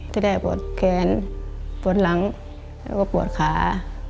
จะได้ปวดแขนปวดหลังแล้วก็ปวดขา